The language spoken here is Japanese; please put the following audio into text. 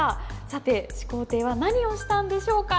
さて始皇帝は何をしたんでしょうか？